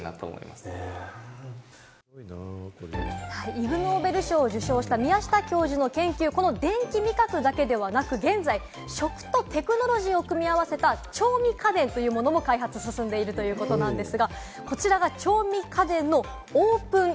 イグ・ノーベル賞を受賞した宮下教授の研究、この電気味覚だけではなく、現在、食とテクノロジーを組み合わせた調味家電というものも開発、進んでいるということなんです。